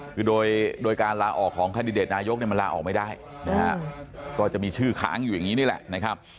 คือโดยการลาออกของคันดิเดตนายกเนี่ยมันลาออกไม่ได้นะฮะก็จะมีชื่อค้างอยู่อย่างนี้นี่แหละนะครับ